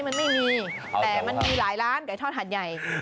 มันไม่มีแต่มันมีหลายร้านไก่ทอดหาดใหญ่